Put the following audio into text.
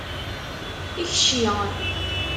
Kcci!